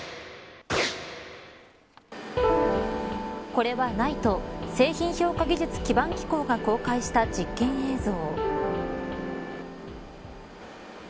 これは、ＮＩＴＥ製品評価技術基盤機構が公開した実験映像。